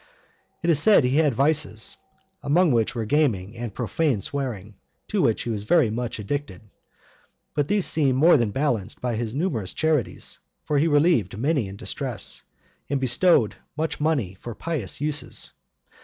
It is said he had vices, among which were gaming and profane swearing, to which he was very much addicted; but these seem more than balanced by his numerous charities, for he relieved many in distress, and bestowed much money for pious uses.